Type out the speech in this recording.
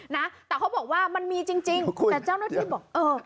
นะแต่เขาบอกว่ามันมีจริงจริงแต่เจ้าหน้าที่บอกเออ